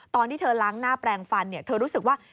ตอนที่เธอล้างหน้าแปลงฟันเธอรู้สึกว่า